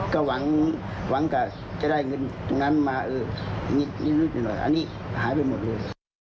ก็หวังกับจะได้เงินตรงนั้นมานิดหน่อยอันนี้หายไปหมดเลย